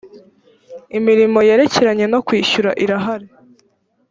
imirimo yerekeranye nokwishyura irahari.